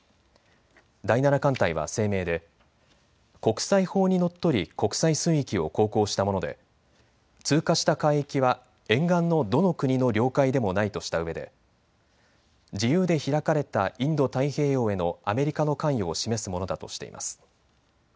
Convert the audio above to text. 第７艦隊は声明で国際法にのっとり国際水域を航行したもので通過した海域は沿岸のどの国の領海でもないとしたうえで自由で開かれたインド太平洋へのアメリカの関与を示すものだとしています。